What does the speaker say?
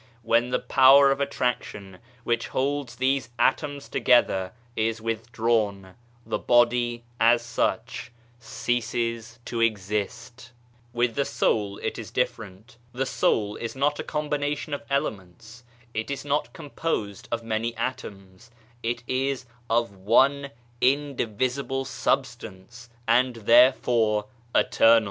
When the power of attrac tion, which holds these atoms together, is withdrawn, the body, as such, ceases to exist. With the Soul it is different. The Soul is not a com bination of elements, it is not composed of many atoms, it is of one indivisible substance and therefore eternal.